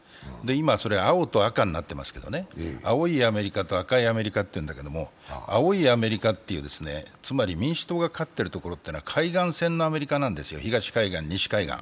今、青と赤になっていますけど青いアメリカと赤いアメリカというんだけれども、青いアメリカという民主党が勝っているところは海岸線のアメリカなんですよ、東海岸、西海岸。